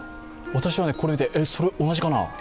私はこれ見て、それ同じかな。